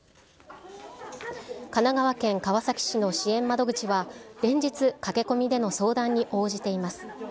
神奈川県川崎市の支援窓口は連日、駆け込みでの相談に応じています。